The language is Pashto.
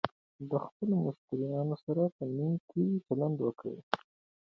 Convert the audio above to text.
د خپلو مشتریانو سره په نېکۍ چلند وکړئ.